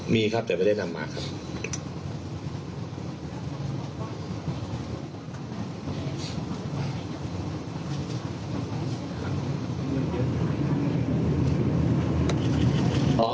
มีครับแต่ไม่ได้นำมาครับ